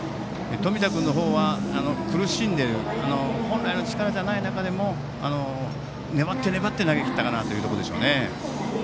冨田君の方は苦しんで本来の力じゃない中でも粘って粘って投げきったかなと思いますね。